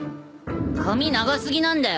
髪長すぎなんだよ。